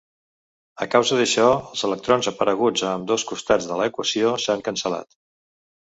A causa d'això, els electrons apareguts a ambdós costats de la equació s'han cancel·lat.